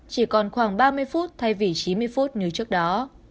chỉ còn khoảng ba mươi phút thay vì chín mươi phút như trước đó